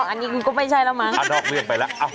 อ้าวอันนี้กูก็ไม่ใช่แล้วมั้งเอ้านอกเลือกไปแล้ว